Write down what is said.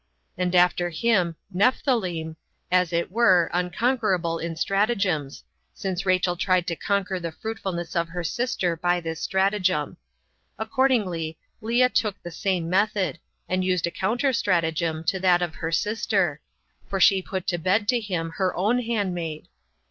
And after him Nephthalim, as it were, unconquerable in stratagems, since Rachel tried to conquer the fruitfulness of her sister by this stratagem. Accordingly, Lea took the same method, and used a counter stratagem to that of her sister; for she put to bed to him her own handmaid.